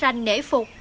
ranh nể phục